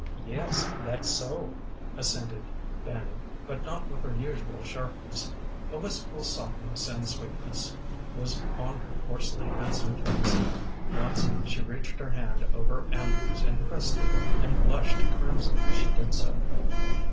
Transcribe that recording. "Yes, that's so," assented Fanny, but not with her usual sharpness. A wistful softness and sweetness was on her coarsely handsome face. Once she reached her hand over Andrew's and pressed it, and blushed crimson as she did so.